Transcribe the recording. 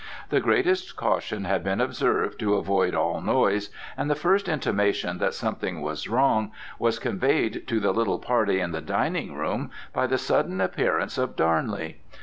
The greatest caution had been observed to avoid all noise, and the first intimation that something was wrong was conveyed to the little party in the dining room by the sudden appearance of Darnley.